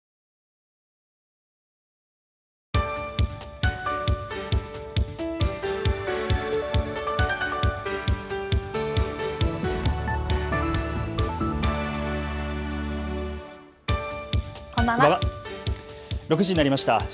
６時になりました。